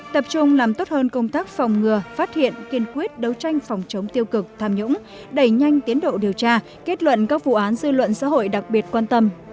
tập trung làm tốt hơn công tác phòng ngừa phát hiện kiên quyết đấu tranh phòng chống tiêu cực tham nhũng đẩy nhanh tiến độ điều tra kết luận các vụ án dư luận xã hội đặc biệt quan tâm